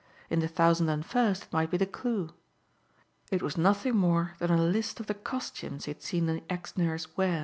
In the thousand and first it might be the clue. It was nothing more than a list of the costumes he had seen the ex nurse wear.